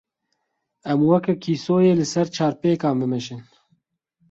Em weke kîsoyê li ser çarpêkan bimeşin.